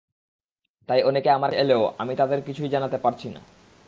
তাই অনেকে আমার কাছে এলেও আমি তাঁদের কিছুই জানাতে পারছি না।